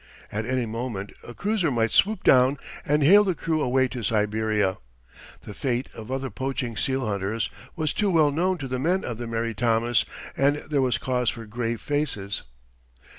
At any moment a cruiser might swoop down and hale the crew away to Siberia. The fate of other poaching seal hunters was too well known to the men of the Mary Thomas, and there was cause for grave faces.